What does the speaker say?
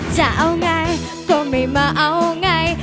จะเอาไงก็ไม่มาเอาไง